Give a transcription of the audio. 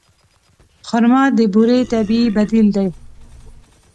خرما د بوري طبیعي بدیل دی.